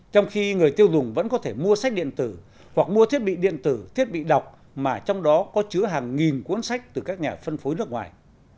trong khi người tiêu dùng vẫn có thể mua sách điện tử hoặc mua thiết bị điện tử thiết bị đọc mà trong đó có chứa hàng nghìn cuốn sách từ các nhà phân phối nước ngoài